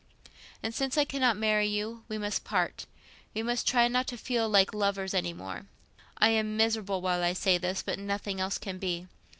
"And since I cannot marry you, we must part—we must try not to feel like lovers any more. I am miserable while I say this, but nothing else can be.